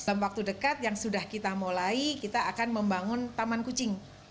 dalam waktu dekat yang sudah kita mulai kita akan membangun taman kucing